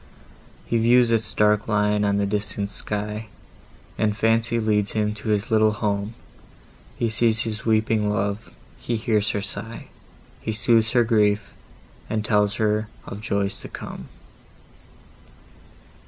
He views its dark line on the distant sky, And Fancy leads him to his little home, He sees his weeping love, he hears her sigh, He sooths her griefs, and tells of joys to come.